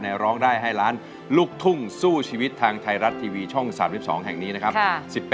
ร้องได้ให้ล้านลูกทุ่งสู้ชีวิตทางไทยรัฐทีวีช่อง๓๒แห่งนี้นะครับ